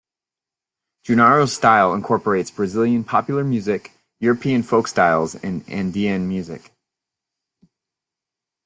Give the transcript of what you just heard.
Junaro's style incorporates Brazilian popular music, European folk styles and Andean music.